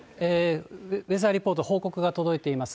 ウェザーリポート、報告が届いています。